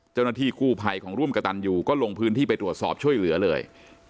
เจ้าหน้าที่กู้ภัยของร่วมกระตันอยู่ก็ลงพื้นที่ไปตรวจสอบช่วยเหลือเลย